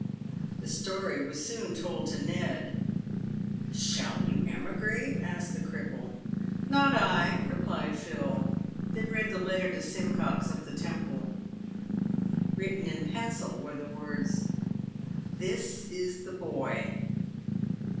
The story was soon told to Ned. " Shall you emigrate ?" asked the cripple. " Not I," replied Phil. They read the letter to Simcox of the Temple. Written in pencil were the words, " This is the boy."